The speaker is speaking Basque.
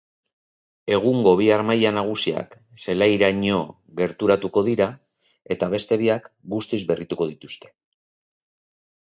Egungo bi harmaila nagusiak zelairaino gerturatuko dira eta beste biak guztiz berrituko dituzte.